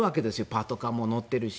パトカーも乗っているし。